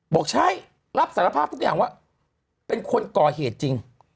บอกใช่รับสารภาพทุกอย่างว่าเป็นคนก่อเหตุจริง